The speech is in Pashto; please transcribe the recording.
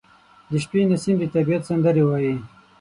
• د شپې نسیم د طبیعت سندرې وايي.